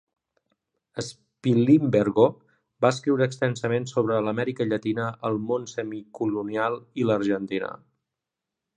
Spilimbergo va escriure extensament sobre l'Amèrica Llatina, el "món semicolonial" i l'Argentina.